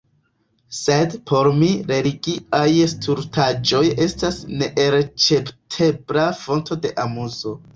Sed por mi religiaj stultaĵoj estas neelĉerpebla fonto de amuzo.